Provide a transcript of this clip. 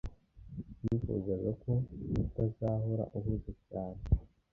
Nifuzaga ko utazahora uhuze cyane.